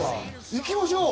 行きましょう。